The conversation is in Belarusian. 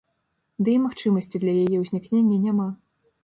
Ды і магчымасці для яе ўзнікнення няма.